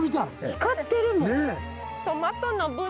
光ってるもん。